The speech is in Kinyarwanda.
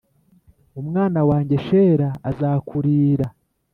umwana wanjye Shela azakurira